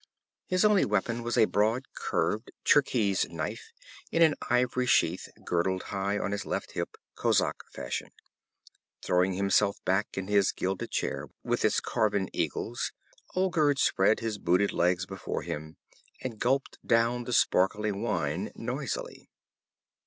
His only weapon was a broad curved Cherkees knife in an ivory sheath girdled high on his left hip, kozak fashion. Throwing himself back in his gilded chair with its carven eagles, Olgerd spread his booted legs before him, and gulped down the sparkling wine noisily.